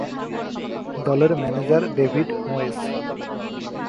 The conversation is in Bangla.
দলের ম্যানেজার ডেভিড মোয়েস।